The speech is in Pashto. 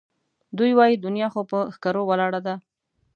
دوی وایي دنیا خو پهٔ ښکرو ولاړه ده